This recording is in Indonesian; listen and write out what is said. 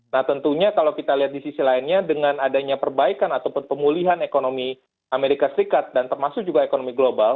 nah tentunya kalau kita lihat di sisi lainnya dengan adanya perbaikan ataupun pemulihan ekonomi amerika serikat dan termasuk juga ekonomi global